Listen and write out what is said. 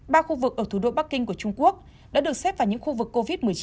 ba khu vực ở thủ đô bắc kinh của trung quốc đã được xếp vào những khu vực covid một mươi chín